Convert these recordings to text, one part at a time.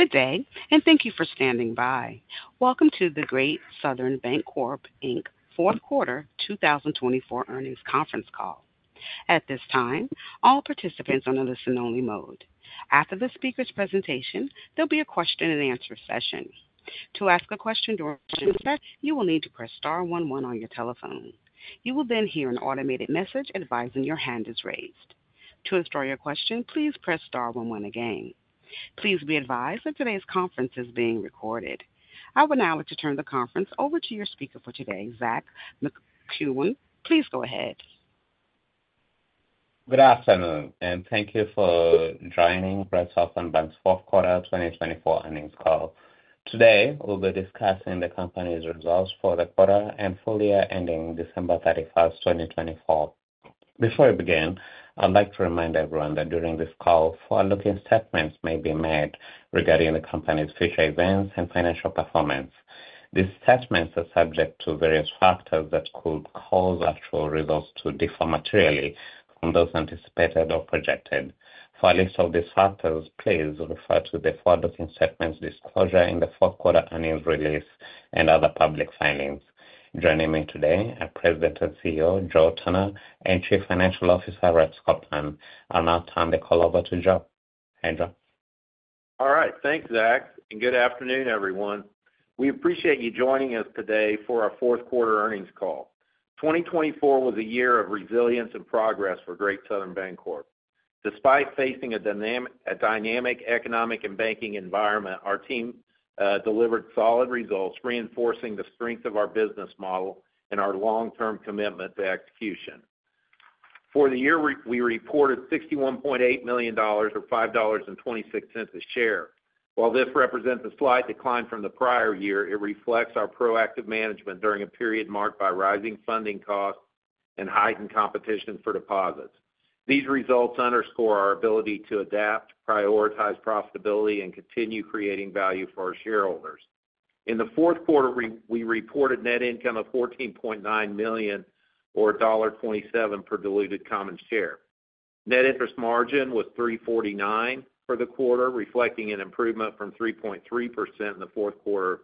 Good day, and thank you for standing by. Welcome to the Great Southern Bancorp, Inc. fourth quarter 2024 earnings conference call. At this time, all participants are in a listen-only mode. After the speaker's presentation, there'll be a question-and-answer session. To ask a question during the session, you will need to press star one one on your telephone. You will then hear an automated message advising your hand is raised. To start your question, please press star one one again. Please be advised that today's conference is being recorded. I would now like to turn the conference over to your speaker for today, Zach McKeown. Please go ahead. Good afternoon, and thank you for joining Great Southern Bancorp fourth quarter 2024 earnings call. Today, we'll be discussing the company's results for the quarter and full year ending December 31st, 2024. Before we begin, I'd like to remind everyone that during this call, forward-looking statements may be made regarding the company's future events and financial performance. These statements are subject to various factors that could cause actual results to differ materially from those anticipated or projected. For a list of these factors, please refer to the forward-looking statements disclosure in the fourth quarter earnings release and other public filings. Joining me today, our President and CEO, Joe Turner, and Chief Financial Officer, Rex Copeland, are now turning the call over to Joe. Hey, Joe. All right. Thanks, Zach. And good afternoon, everyone. We appreciate you joining us today for our fourth quarter earnings call. 2024 was a year of resilience and progress for Great Southern Bancorp. Despite facing a dynamic economic and banking environment, our team delivered solid results, reinforcing the strength of our business model and our long-term commitment to execution. For the year, we reported $61.8 million, or $5.26 a share. While this represents a slight decline from the prior year, it reflects our proactive management during a period marked by rising funding costs and heightened competition for deposits. These results underscore our ability to adapt, prioritize profitability, and continue creating value for our shareholders. In the fourth quarter, we reported net income of $14.9 million, or $1.27 per diluted common share. Net interest margin was $3.49 for the quarter, reflecting an improvement from 3.3% in the fourth quarter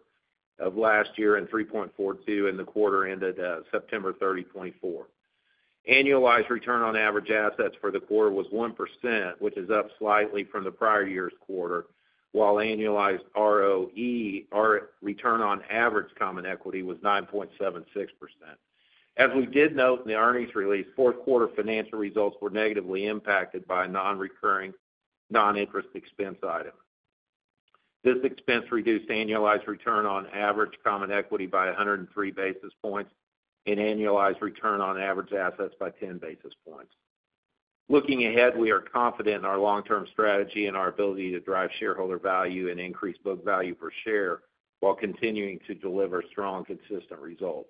of last year and 3.42% in the quarter ended September 30, 2024. Annualized return on average assets for the quarter was 1%, which is up slightly from the prior year's quarter, while annualized ROE, or return on average common equity, was 9.76%. As we did note in the earnings release, fourth quarter financial results were negatively impacted by non-recurring, non-interest expense items. This expense reduced annualized return on average common equity by 103 basis points and annualized return on average assets by 10 basis points. Looking ahead, we are confident in our long-term strategy and our ability to drive shareholder value and increase book value per share while continuing to deliver strong, consistent results.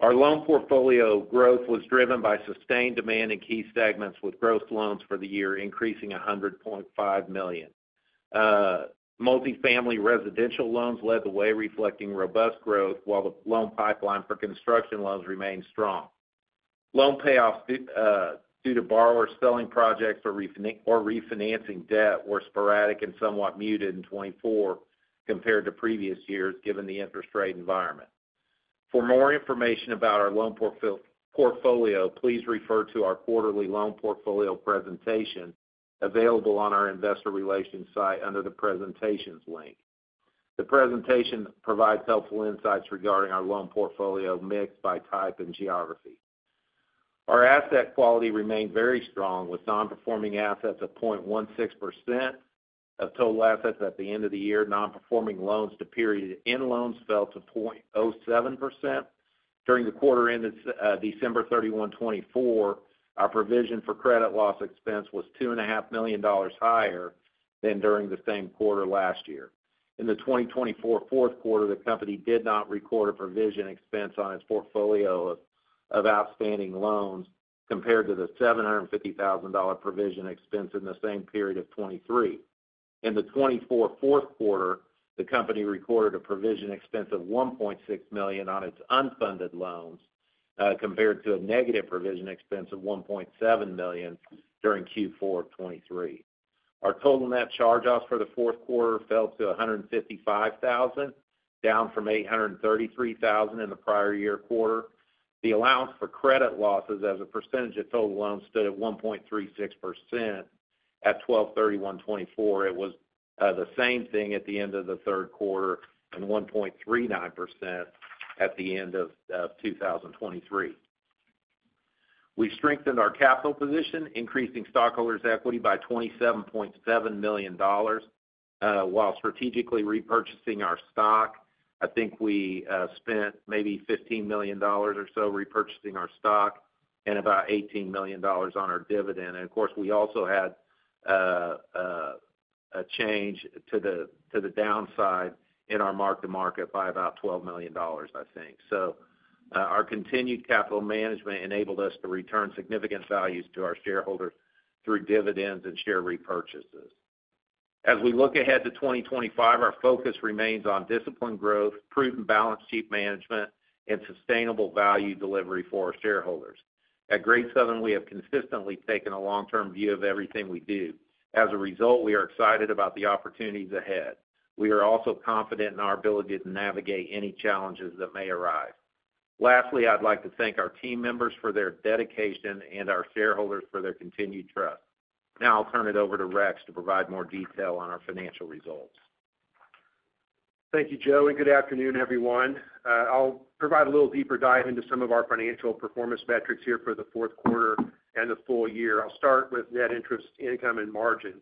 Our loan portfolio growth was driven by sustained demand in key segments, with gross loans for the year increasing $100.5 million. Multifamily residential loans led the way, reflecting robust growth, while the loan pipeline for construction loans remained strong. Loan payoffs due to borrowers selling projects or refinancing debt were sporadic and somewhat muted in 2024 compared to previous years, given the interest rate environment. For more information about our loan portfolio, please refer to our quarterly loan portfolio presentation available on our investor relations site under the presentations link. The presentation provides helpful insights regarding our loan portfolio mix by type and geography. Our asset quality remained very strong, with non-performing assets at 0.16% of total assets at the end of the year. Non-performing loans to period end loans fell to 0.07%. During the quarter ended December 31st, 2024, our provision for credit loss expense was $2.5 million higher than during the same quarter last year. In the 2024 fourth quarter, the company did not record a provision expense on its portfolio of outstanding loans compared to the $750,000 provision expense in the same period of 2023. In the 2024 fourth quarter, the company recorded a provision expense of $1.6 million on its unfunded loans compared to a negative provision expense of $1.7 million during Q4 of 2023. Our total net charge-offs for the fourth quarter fell to $155,000, down from $833,000 in the prior year quarter. The allowance for credit losses as a percentage of total loans stood at 1.36%. At December 31, 2024, it was the same thing at the end of the third quarter and 1.39% at the end of 2023. We strengthened our capital position, increasing stockholders' equity by $27.7 million, while strategically repurchasing our stock. I think we spent maybe $15 million or so repurchasing our stock and about $18 million on our dividend, and of course, we also had a change to the downside in our mark-to-market by about $12 million, I think, so our continued capital management enabled us to return significant values to our shareholders through dividends and share repurchases. As we look ahead to 2025, our focus remains on disciplined growth, prudent balance sheet management, and sustainable value delivery for our shareholders. At Great Southern, we have consistently taken a long-term view of everything we do. As a result, we are excited about the opportunities ahead. We are also confident in our ability to navigate any challenges that may arise. Lastly, I'd like to thank our team members for their dedication and our shareholders for their continued trust. Now I'll turn it over to Rex to provide more detail on our financial results. Thank you, Joe, and good afternoon, everyone. I'll provide a little deeper dive into some of our financial performance metrics here for the fourth quarter and the full year. I'll start with net interest income and margin.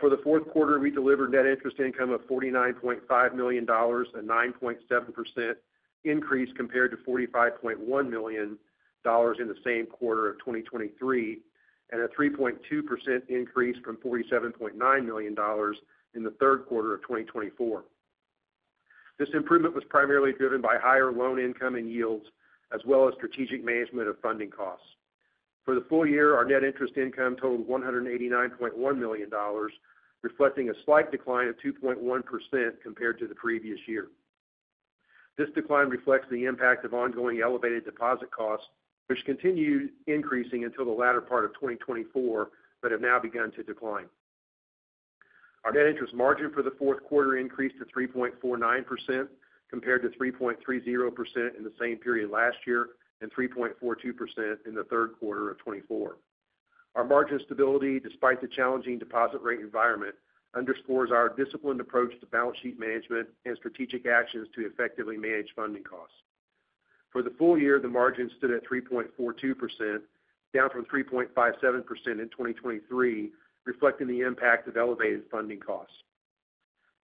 For the fourth quarter, we delivered net interest income of $49.5 million, a 9.7% increase compared to $45.1 million in the same quarter of 2023, and a 3.2% increase from $47.9 million in the third quarter of 2024. This improvement was primarily driven by higher loan income and yields, as well as strategic management of funding costs. For the full year, our net interest income totaled $189.1 million, reflecting a slight decline of 2.1% compared to the previous year. This decline reflects the impact of ongoing elevated deposit costs, which continued increasing until the latter part of 2024, but have now begun to decline. Our net interest margin for the fourth quarter increased to 3.49% compared to 3.30% in the same period last year and 3.42% in the third quarter of 2024. Our margin stability, despite the challenging deposit rate environment, underscores our disciplined approach to balance sheet management and strategic actions to effectively manage funding costs. For the full year, the margin stood at 3.42%, down from 3.57% in 2023, reflecting the impact of elevated funding costs.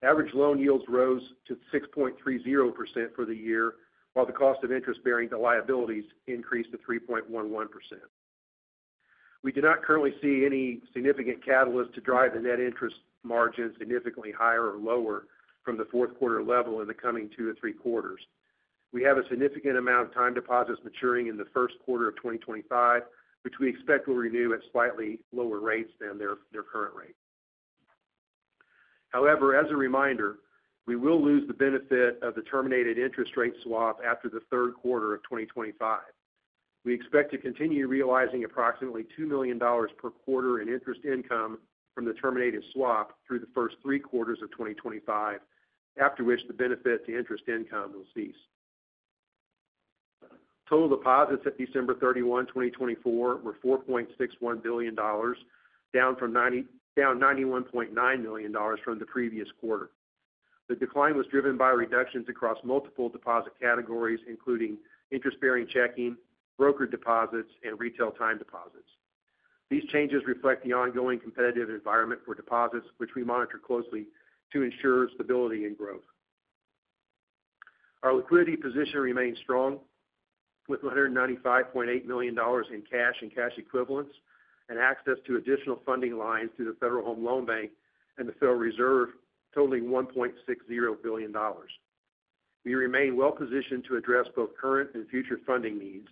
Average loan yields rose to 6.30% for the year, while the cost of interest-bearing liabilities increased to 3.11%. We do not currently see any significant catalyst to drive the net interest margin significantly higher or lower from the fourth quarter level in the coming two to three quarters. We have a significant amount of time deposits maturing in the first quarter of 2025, which we expect will renew at slightly lower rates than their current rate. However, as a reminder, we will lose the benefit of the terminated interest rate swap after the third quarter of 2025. We expect to continue realizing approximately $2 million per quarter in interest income from the terminated swap through the first three quarters of 2025, after which the benefit to interest income will cease. Total deposits at December 31st, 2024, were $4.61 billion, down $91.9 million from the previous quarter. The decline was driven by reductions across multiple deposit categories, including interest-bearing checking, brokered deposits, and retail time deposits. These changes reflect the ongoing competitive environment for deposits, which we monitor closely to ensure stability and growth. Our liquidity position remains strong, with $195.8 million in cash and cash equivalents and access to additional funding lines through the Federal Home Loan Bank and the Federal Reserve, totaling $1.60 billion. We remain well-positioned to address both current and future funding needs.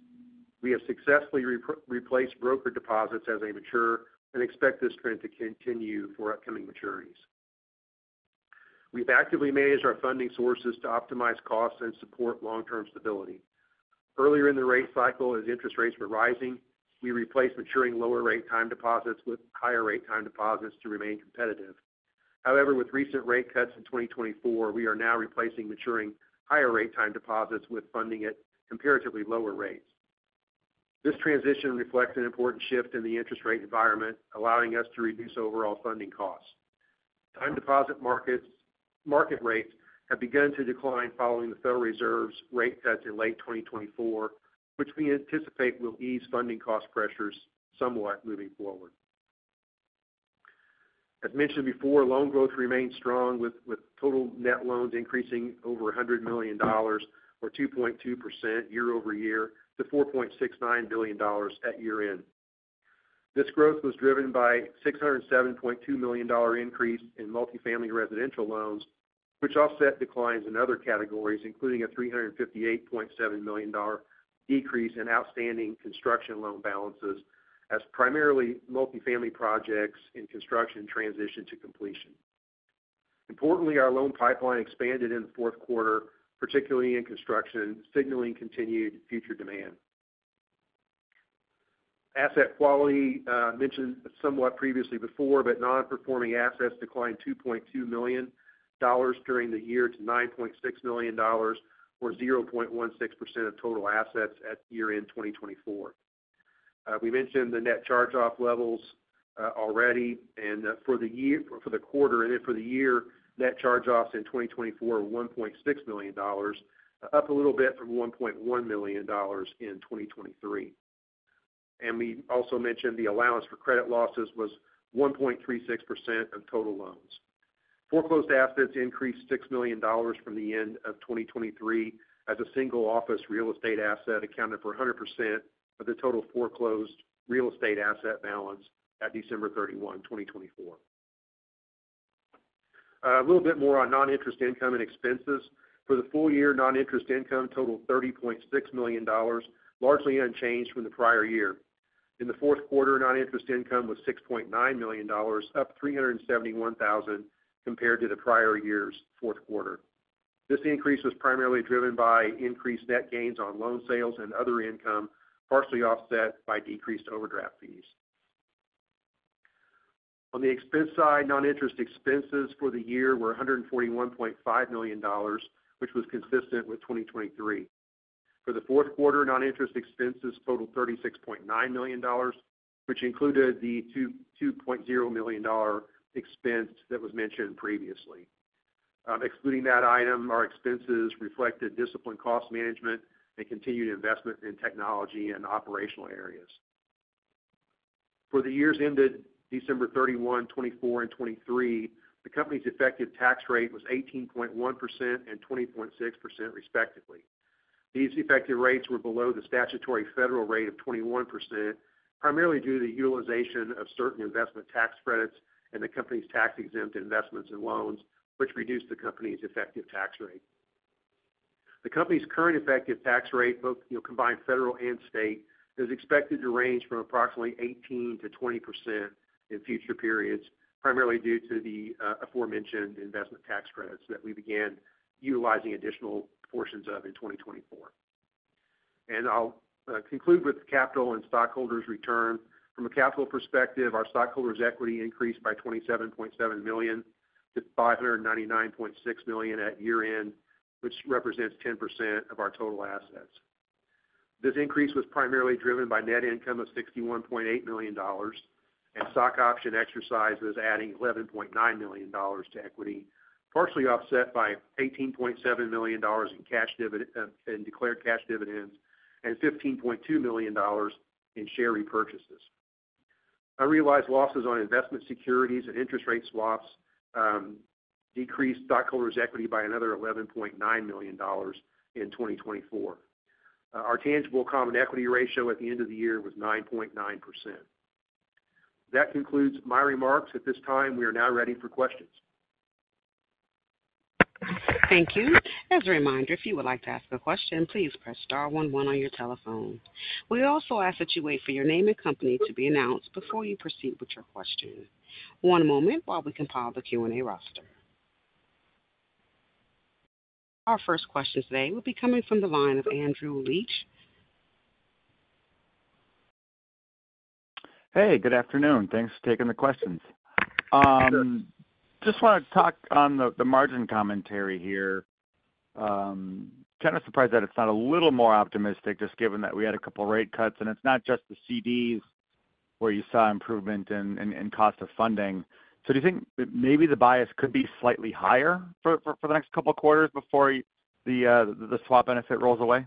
We have successfully replaced brokered deposits as they mature and expect this trend to continue for upcoming maturities. We've actively managed our funding sources to optimize costs and support long-term stability. Earlier in the rate cycle, as interest rates were rising, we replaced maturing lower rate time deposits with higher rate time deposits to remain competitive. However, with recent rate cuts in 2024, we are now replacing maturing higher rate time deposits with funding at comparatively lower rates. This transition reflects an important shift in the interest rate environment, allowing us to reduce overall funding costs. Time deposit market rates have begun to decline following the Federal Reserve's rate cuts in late 2024, which we anticipate will ease funding cost pressures somewhat moving forward. As mentioned before, loan growth remains strong, with total net loans increasing over $100 million, or 2.2% year-over-year, to $4.69 billion at year-end. This growth was driven by a $607.2 million increase in multifamily residential loans, which offset declines in other categories, including a $358.7 million decrease in outstanding construction loan balances as primarily multifamily projects in construction transitioned to completion. Importantly, our loan pipeline expanded in the fourth quarter, particularly in construction, signaling continued future demand. Asset quality mentioned somewhat previously before, but non-performing assets declined $2.2 million during the year to $9.6 million, or 0.16% of total assets at year-end 2024. We mentioned the net charge-off levels already. For the quarter and then for the year, net charge-offs in 2024 were $1.6 million, up a little bit from $1.1 million in 2023. We also mentioned the allowance for credit losses was 1.36% of total loans. Foreclosed assets increased $6 million from the end of 2023 as a single-office real estate asset accounted for 100% of the total foreclosed real estate asset balance at December 31st, 2024. A little bit more on non-interest income and expenses. For the full year, non-interest income totaled $30.6 million, largely unchanged from the prior year. In the fourth quarter, non-interest income was $6.9 million, up $371,000 compared to the prior year's fourth quarter. This increase was primarily driven by increased net gains on loan sales and other income, partially offset by decreased overdraft fees. On the expense side, non-interest expenses for the year were $141.5 million, which was consistent with 2023. For the fourth quarter, non-interest expenses totaled $36.9 million, which included the $2.0 million expense that was mentioned previously. Excluding that item, our expenses reflected discipline cost management and continued investment in technology and operational areas. For the years ended December 31st, 2024, and 2023, the company's effective tax rate was 18.1% and 20.6%, respectively. These effective rates were below the statutory federal rate of 21%, primarily due to the utilization of certain investment tax credits and the company's tax-exempt investments and loans, which reduced the company's effective tax rate. The company's current effective tax rate, both combined federal and state, is expected to range from approximately 18%-20% in future periods, primarily due to the aforementioned investment tax credits that we began utilizing additional portions of in 2024, and I'll conclude with capital and stockholders' return. From a capital perspective, our stockholders' equity increased by $27.7 million-$599.6 million at year-end, which represents 10% of our total assets. This increase was primarily driven by net income of $61.8 million and stock option exercises adding $11.9 million to equity, partially offset by $18.7 million in declared cash dividends and $15.2 million in share repurchases. Unrealized losses on investment securities and interest rate swaps decreased stockholders' equity by another $11.9 million in 2024. Our tangible common equity ratio at the end of the year was 9.9%. That concludes my remarks. At this time, we are now ready for questions. Thank you. As a reminder, if you would like to ask a question, please press star one one on your telephone. We also ask that you wait for your name and company to be announced before you proceed with your question. One moment while we compile the Q&A roster. Our first question today will be coming from the line of Andrew Liesch. Hey, good afternoon. Thanks for taking the questions. Just want to talk on the margin commentary here. Kind of surprised that it's not a little more optimistic, just given that we had a couple of rate cuts. And it's not just the CDs where you saw improvement in cost of funding. So do you think maybe the bias could be slightly higher for the next couple of quarters before the swap benefit rolls away?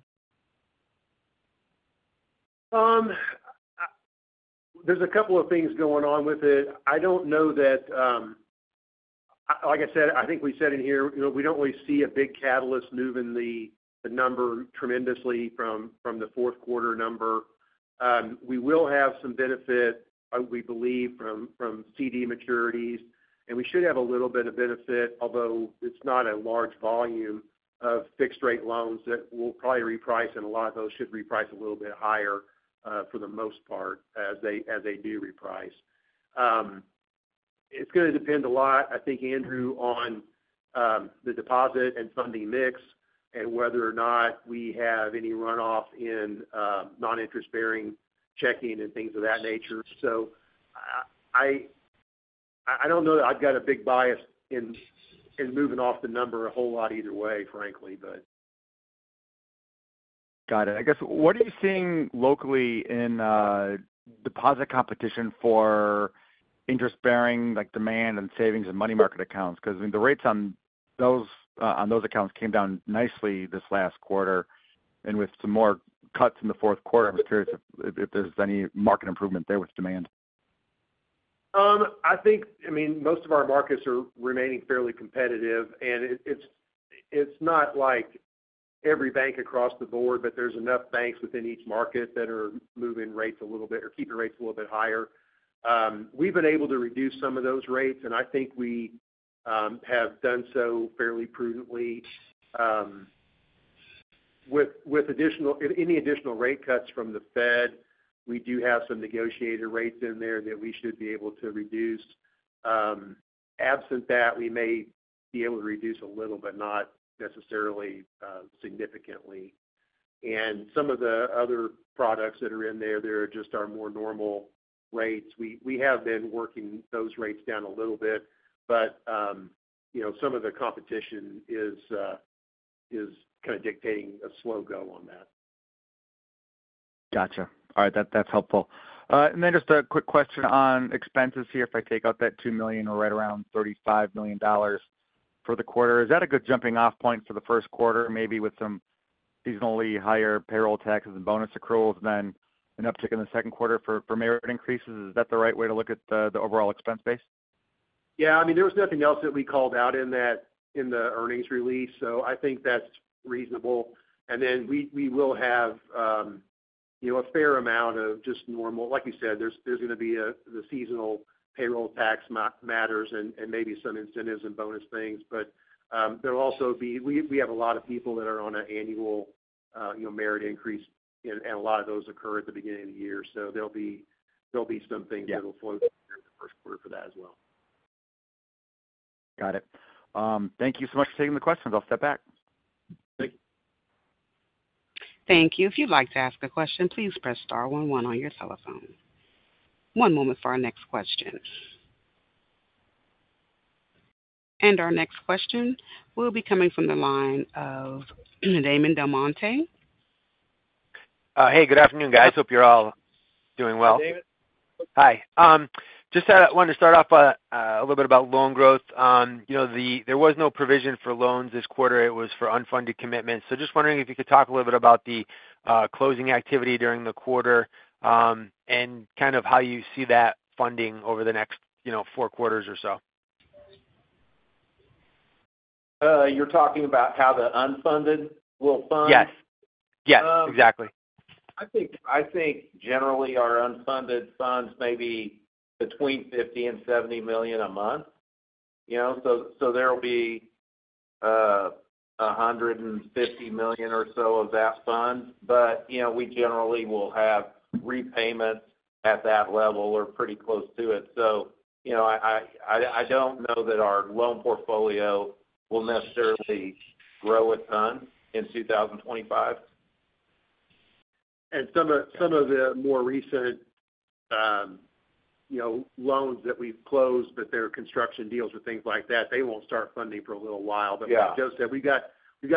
There's a couple of things going on with it. I don't know that like I said, I think we said in here, we don't really see a big catalyst moving the number tremendously from the fourth quarter number. We will have some benefit, we believe, from CD maturities. And we should have a little bit of benefit, although it's not a large volume of fixed-rate loans that will probably reprice, and a lot of those should reprice a little bit higher for the most part as they do reprice. It's going to depend a lot, I think, Andrew, on the deposit and funding mix and whether or not we have any runoff in non-interest-bearing checking and things of that nature. So I don't know that I've got a big bias in moving off the number a whole lot either way, frankly, but. Got it. I guess, what are you seeing locally in deposit competition for interest-bearing demand and savings and money market accounts? Because the rates on those accounts came down nicely this last quarter, and with some more cuts in the fourth quarter, I'm just curious if there's any market improvement there with demand. I think, I mean, most of our markets are remaining fairly competitive. And it's not like every bank across the board, but there's enough banks within each market that are moving rates a little bit or keeping rates a little bit higher. We've been able to reduce some of those rates, and I think we have done so fairly prudently. With any additional rate cuts from the Fed, we do have some negotiated rates in there that we should be able to reduce. Absent that, we may be able to reduce a little, but not necessarily significantly. And some of the other products that are in there, there just are more normal rates. We have been working those rates down a little bit, but some of the competition is kind of dictating a slow go on that. Gotcha. All right. That's helpful. And then just a quick question on expenses here. If I take out that $2 million or right around $35 million for the quarter, is that a good jumping-off point for the first quarter, maybe with some seasonally higher payroll taxes and bonus accruals, and then an uptick in the second quarter for merit increases? Is that the right way to look at the overall expense base? Yeah. I mean, there was nothing else that we called out in the earnings release. So I think that's reasonable. And then we will have a fair amount of just normal like you said, there's going to be the seasonal payroll tax matters and maybe some incentives and bonus things. But there'll be we have a lot of people that are on an annual merit increase, and a lot of those occur at the beginning of the year. So there'll be some things that will flow through the first quarter for that as well. Got it. Thank you so much for taking the questions. I'll step back. Thank you. Thank you. If you'd like to ask a question, please press star one one on your telephone. One moment for our next question, and our next question will be coming from the line of Damon DelMonte. Hey, good afternoon, guys. Hope you're all doing well. Hey, David. Hi. Just wanted to start off a little bit about loan growth. There was no provision for loans this quarter. It was for unfunded commitments. So just wondering if you could talk a little bit about the closing activity during the quarter and kind of how you see that funding over the next four quarters or so? You're talking about how the unfunded will fund? Yes. Yes. Exactly. I think generally our unfunded funds may be between $50 and $70 million a month. So there'll be $150 million or so of that fund. But we generally will have repayments at that level or pretty close to it. So I don't know that our loan portfolio will necessarily grow a ton in 2025. And some of the more recent loans that we've closed, but they're construction deals or things like that, they won't start funding for a little while. But like Joe said, we've got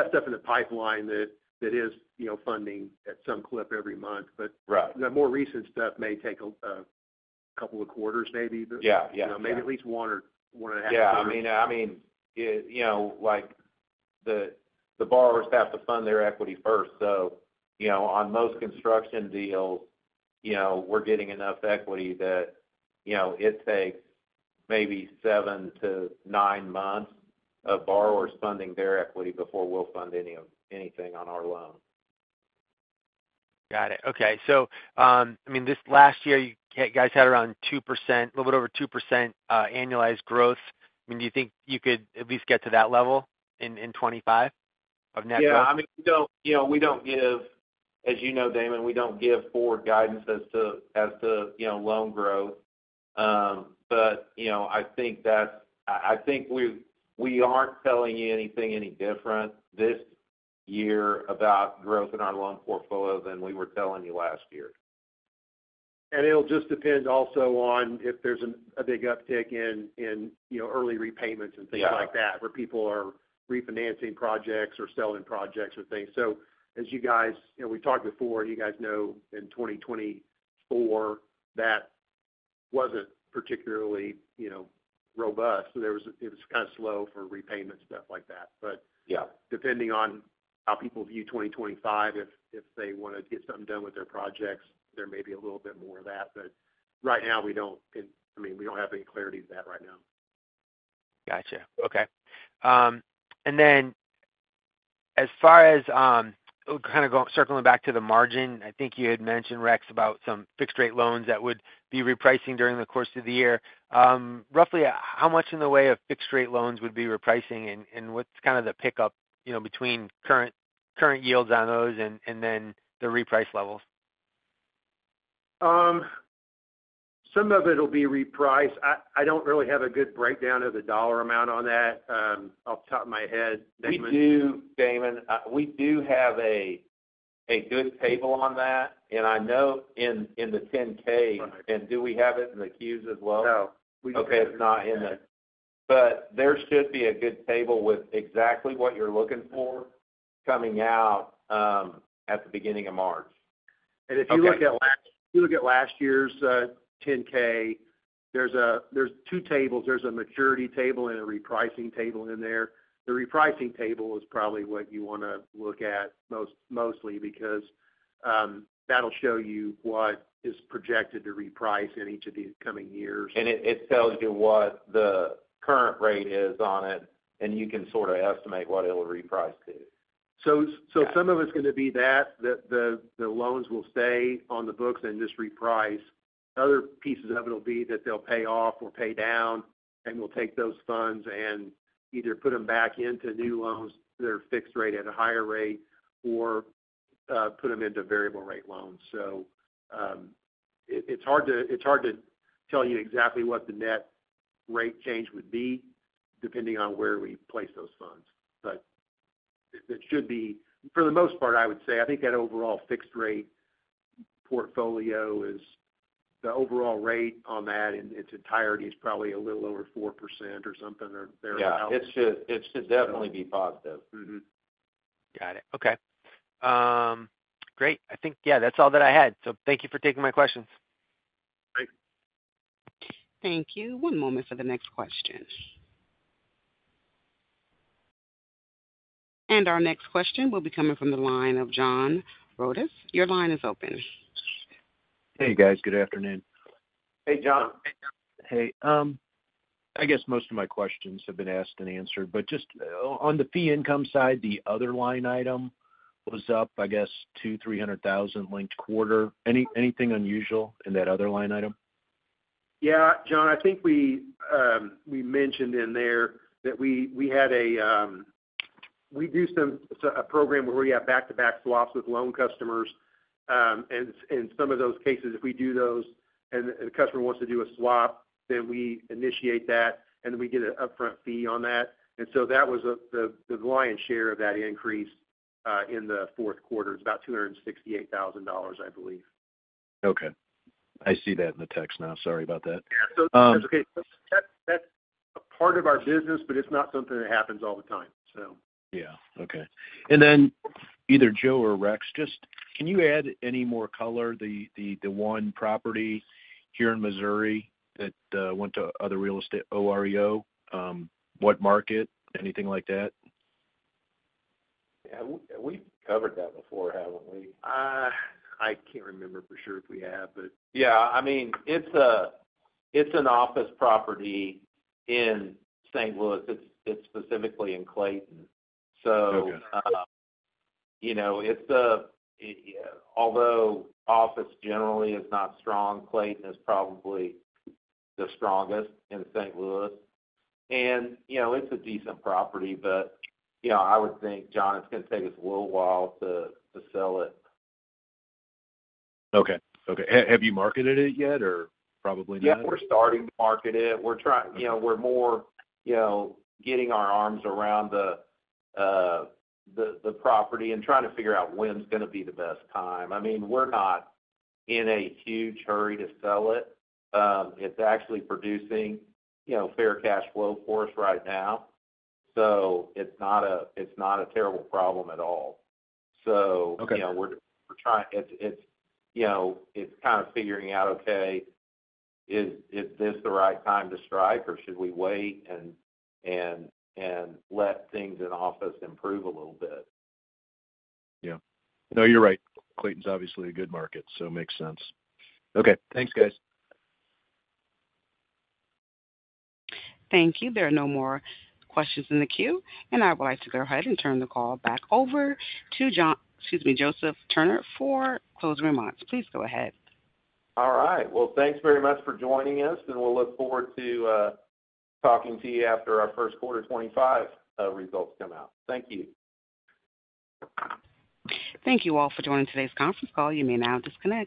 stuff in the pipeline that is funding at some clip every month. But the more recent stuff may take a couple of quarters, maybe. Maybe at least one or one and 0.5x. Yeah. I mean, the borrowers have to fund their equity first. So on most construction deals, we're getting enough equity that it takes maybe seven to nine months of borrowers funding their equity before we'll fund anything on our loan. Got it. Okay. So I mean, this last year, you guys had around a little bit over 2% annualized growth. I mean, do you think you could at least get to that level in 2025 of net growth? Yeah. I mean, we don't give, as you know, Damon, forward guidance as to loan growth, but I think we aren't telling you anything any different this year about growth in our loan portfolio than we were telling you last year, and it'll just depend also on if there's a big uptick in early repayments and things like that, where people are refinancing projects or selling projects or things, so as you guys we talked before, and you guys know, in 2024 that wasn't particularly robust. It was kind of slow for repayments, stuff like that, but depending on how people view 2025, if they want to get something done with their projects, there may be a little bit more of that, but right now, I mean, we don't have any clarity to that right now. Gotcha. Okay. And then as far as kind of circling back to the margin, I think you had mentioned, Rex, about some fixed-rate loans that would be repricing during the course of the year. Roughly how much in the way of fixed-rate loans would be repricing, and what's kind of the pickup between current yields on those and then the reprice levels? Some of it will be repriced. I don't really have a good breakdown of the dollar amount on that off the top of my head. We do, Damon. We do have a good table on that. And I know in the 10-K, and do we have it in the Qs as well? No. Okay. We just have it not in the but there should be a good table with exactly what you're looking for coming out at the beginning of March. And if you look at last year's 10-K, there's two tables. There's a maturity table and a repricing table in there. The repricing table is probably what you want to look at mostly because that'll show you what is projected to reprice in each of these coming years. It tells you what the current rate is on it, and you can sort of estimate what it'll reprice to. So some of it's going to be that the loans will stay on the books and just reprice. Other pieces of it will be that they'll pay off or pay down, and we'll take those funds and either put them back into new loans that are fixed rate at a higher rate or put them into variable rate loans. So it's hard to tell you exactly what the net rate change would be depending on where we place those funds. But it should be, for the most part, I would say. I think that overall fixed-rate portfolio is the overall rate on that in its entirety is probably a little over 4% or something or thereabouts. Yeah. It should definitely be positive. Got it. Okay. Great. I think, yeah, that's all that I had. So thank you for taking my questions. Thanks. Thank you. One moment for the next question. And our next question will be coming from the line of John Rodis. Your line is open. Hey, guys. Good afternoon. Hey, John. Hey. I guess most of my questions have been asked and answered. But just on the fee income side, the other line item was up, I guess, $2,300,000 linked quarter. Anything unusual in that other line item? Yeah. John, I think we mentioned in there that we do a program where we have back-to-back swaps with loan customers. And in some of those cases, if we do those and the customer wants to do a swap, then we initiate that, and then we get an upfront fee on that. And so that was the lion's share of that increase in the fourth quarter. It's about $268,000, I believe. Okay. I see that in the text now. Sorry about that. Yeah. So that's okay. That's a part of our business, but it's not something that happens all the time, so. Yeah. Okay. And then either Joe or Rex, just can you add any more color? The one property here in Missouri that went to other real estate OREO, what market, anything like that? Yeah. We've covered that before, haven't we? I can't remember for sure if we have, but. Yeah. I mean, it's an office property in St. Louis. It's specifically in Clayton, so although office generally is not strong, Clayton is probably the strongest in St. Louis, and it's a decent property, but I would think, John, it's going to take us a little while to sell it. Okay. Okay. Have you marketed it yet or probably not? Yeah. We're starting to market it. We're more getting our arms around the property and trying to figure out when's going to be the best time. I mean, we're not in a huge hurry to sell it. It's actually producing fair cash flow for us right now. So it's not a terrible problem at all. So we're trying. It's kind of figuring out, okay, is this the right time to strike, or should we wait and let things in office improve a little bit? Yeah. No, you're right. Clayton's obviously a good market, so it makes sense. Okay. Thanks, guys. Thank you. There are no more questions in the queue. And I would like to go ahead and turn the call back over to John, excuse me, Joseph Turner, for closing remarks. Please go ahead. All right. Thanks very much for joining us. We'll look forward to talking to you after our first quarter 2025 results come out. Thank you. Thank you all for joining today's conference call. You may now disconnect.